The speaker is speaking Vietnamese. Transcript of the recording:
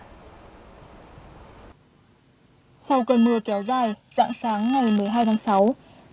sau cơn mưa kéo dài dạng sáng ngày một mươi hai tháng sáu